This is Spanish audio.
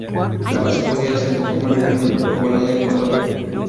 La base podía ser de forma rectangular, ovalada o cuadrada.